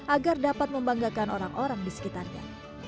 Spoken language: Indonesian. agar dapat membanggakan orang orang di sekitarnya